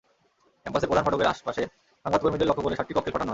ক্যাম্পাসের প্রধান ফটকের আশপাশে সংবাদকর্মীদের লক্ষ্য করে সাতটি ককটেল ফাটানো হয়।